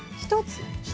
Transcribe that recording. １つ！